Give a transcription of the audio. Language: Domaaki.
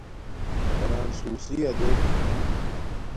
فرݳنسُݸسِیݳ دݵک.